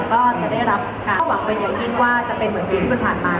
ก็จะได้รับการหวังเป็นอย่างยิ่งว่าจะเป็นเหมือนปีที่ผ่านมา